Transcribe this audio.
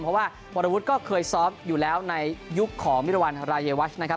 เพราะว่าวรวุฒิก็เคยซ้อมอยู่แล้วในยุคของมิรวรรณรายวัชนะครับ